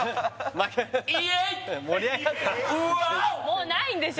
もうないんでしょ